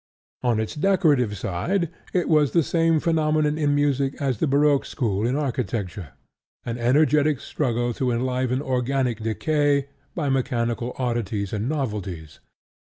On its decorative side, it was the same phenomenon in music as the Baroque school in architecture: an energetic struggle to enliven organic decay by mechanical oddities and novelties.